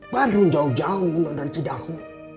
pak radun jauh jauh mengundang dari cidaho